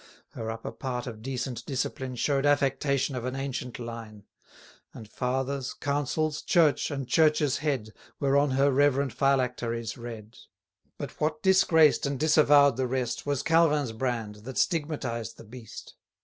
Her upper part of decent discipline Show'd affectation of an ancient line; And Fathers, Councils, Church, and Church's head, Were on her reverend phylacteries read. But what disgraced and disavow'd the rest, 400 Was Calvin's brand, that stigmatized the beast.